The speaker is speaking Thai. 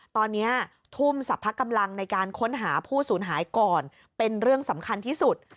ตอนนี้ทุ่มสรรพกำลังในการค้นหาผู้สูญหายก่อนเป็นเรื่องสำคัญที่สุด